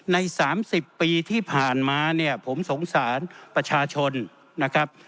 ใน๓๐ปีที่ผ่านมาเนี่ยผมสงสารประชาชนนะครับ